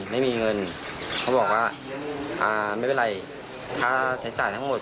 ไม่มีเงินเขาบอกว่าอ่าไม่เป็นไรค่าใช้จ่ายทั้งหมด